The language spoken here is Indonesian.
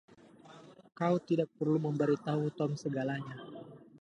Kau tidak perlu memberi tahu Tom segalanya.